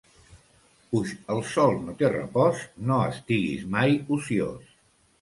Puix el sol no té repòs, no estiguis mai ociós.